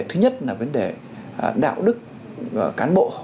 thứ nhất là vấn đề đạo đức cán bộ